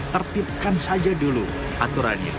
tertibkan saja dulu aturannya